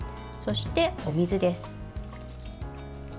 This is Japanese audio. そして、お水です。